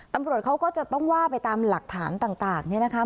ตำรวจเขาก็จะต้องว่าไปตามหลักฐานต่างเนี่ยนะคะ